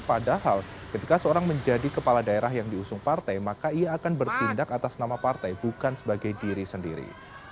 padahal ketika seorang menjadi kepala daerah yang diusung partai maka ia akan bertindak atas nama partai bukan sebagai diri sendiri